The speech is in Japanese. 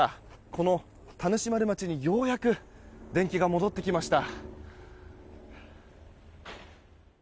この田主丸町にようやく電気が戻ってきました。